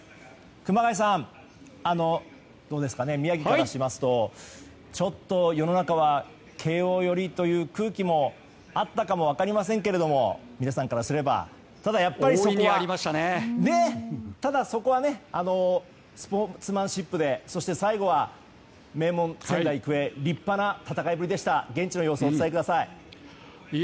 熊谷さん、宮城からしますとちょっと世の中は慶応寄りという空気もあったかも分かりませんけれどもただ、そこはスポーツマンシップで最後は名門・仙台育英立派な戦いぶりでした現地の様子をお伝えください。